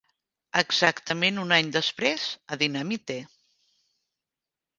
Exactament un any després, a Dynamite!